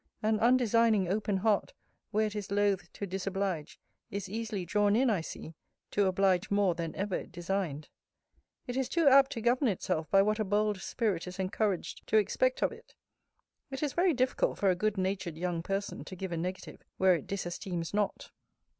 An undesigning open heart, where it is loth to disoblige, is easily drawn in, I see, to oblige more than ever it designed. It is too apt to govern itself by what a bold spirit is encouraged to expect of it. It is very difficult for a good natured young person to give a negative where it disesteems not.